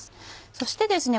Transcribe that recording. そしてですね